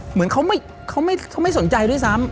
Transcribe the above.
เหมือนเขาไม่สนใจด้วยซ้ำ